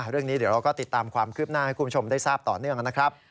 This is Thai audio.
เรื่องนี้เดี๋ยวเราก็ติดตามความคืบหน้าให้คุณผู้ชมได้ทราบต่อเนื่องนะครับ